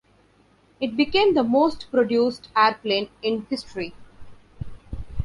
It became the most produced airplane in history.